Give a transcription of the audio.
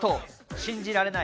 信じられない！